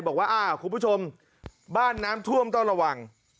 บอกว่าอ้าวคุณผู้ชมบ้านน้ำท่วมต้องระวัง